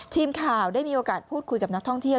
ทีมข่าวได้มีโอกาสพูดคุยกับนักท่องเที่ยว